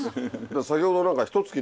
先ほど何か。